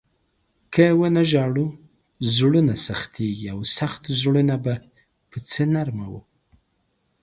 که و نه ژاړو، زړونه سختېږي او سخت زړونه به په څه نرموو؟